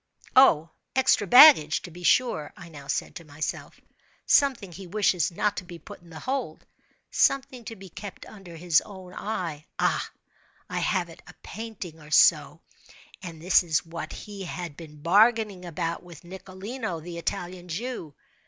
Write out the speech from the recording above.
"Oh, extra baggage, to be sure," I now said to myself—"something he wishes not to be put in the hold—something to be kept under his own eye—ah, I have it—a painting or so—and this is what he has been bargaining about with Nicolino, the Italian Jew."